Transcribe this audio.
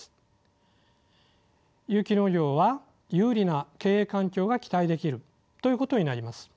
有機農業は有利な経営環境が期待できるということになります。